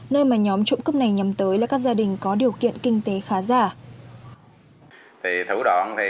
nơi mà nhóm trộm cướp này nhắm tới là các gia đình có điều kiện kinh tế khá già